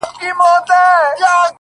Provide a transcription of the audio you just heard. که چيري اوس د پښتو ژبي